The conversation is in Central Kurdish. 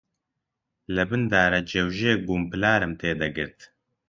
لەبن دارەگێوژێک بووم، پلارم تێ دەگرت